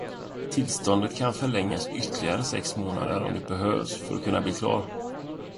Tillståndet kan förlängas ytterligare sex månader om det behövs för att kunna bli klar.